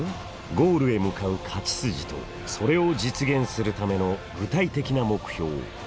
ゴールへ向かう勝ち筋とそれを実現するための具体的な目標ＫＰＩ。